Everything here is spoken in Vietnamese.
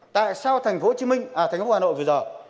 tại sao thành phố hồ chí minh à thành phố hà nội bây giờ